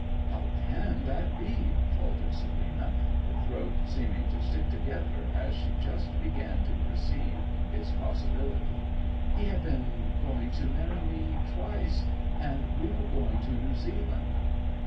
'How can that be?' faltered Selina, her throat seeming to stick together as she just began to perceive its possibility. 'He had been going to marry me twice and we were going to New Zealand.'